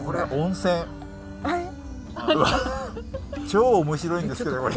超面白いんですけどこれ。